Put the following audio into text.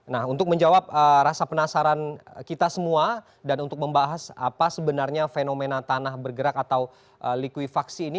nah untuk menjawab rasa penasaran kita semua dan untuk membahas apa sebenarnya fenomena tanah bergerak atau likuifaksi ini